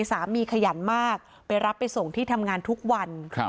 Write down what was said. ขยันมากไปรับไปส่งที่ทำงานทุกวัน